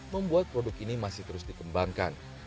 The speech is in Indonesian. membuat produk ini masih terus dikembangkan